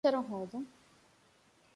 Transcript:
ޓީޗަރުން ހޯދުން